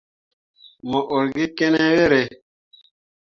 Mo ur gi kene yerre ?